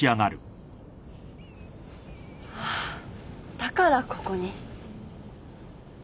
だからここに？